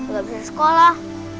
gak bisa sekolah